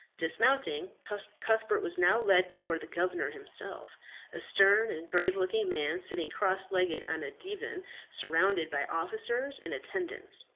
Dismounting, Cuthbert was now led before the governor himself, a stern and grave looking man, sitting cross legged on a divan surrounded by officers and attendants.